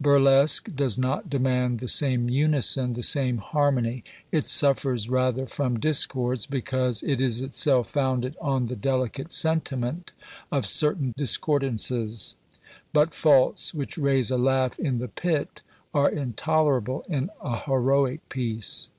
Burlesque does not demand the same unison, the same harmony ; it suffers rather from discords, because it is itself founded on the delicate sentiment of certain discordances ; but faults which raise a laugh in the pit are intolerable in a heroic piece.